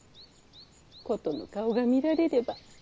ことの顔が見られれば。